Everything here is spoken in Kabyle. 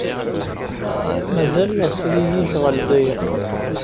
Mazal yeɣs ad igiǧǧ ɣer Lezzayer?